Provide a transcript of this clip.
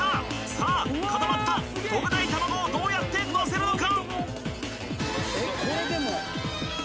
さあ固まった特大卵をどうやってのせるのか？